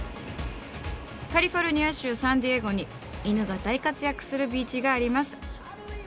カリフォルニア州サンディエゴに犬が大活躍するビーチがあります。